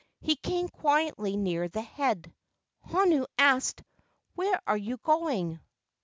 He came quietly near the head. Honu asked, "Where are you going?"